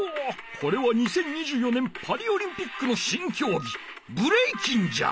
これは２０２４年パリオリンピックのしんきょうぎブレイキンじゃ！